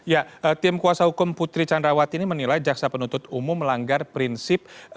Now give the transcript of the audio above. ya tim kuasa hukum putri candrawati ini menilai jaksa penuntut umum melanggar prinsip